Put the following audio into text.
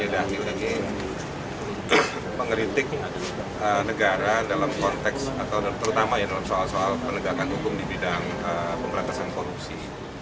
bagaimana komitmen dan konsistensinya dhanil lagi mengeritik negara dalam konteks atau terutama ya dalam soal soal penegakan hukum di bidang pemerintasan korupsi